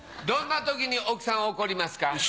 どんな時に奥さん怒りますか？